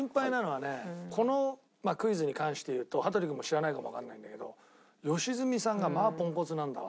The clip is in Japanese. このクイズに関して言うと羽鳥君も知らないかもわからないんだけど良純さんがまあポンコツなんだわ。